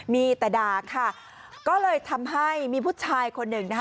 มีแต่ด่าค่ะก็เลยทำให้มีผู้ชายคนหนึ่งนะคะ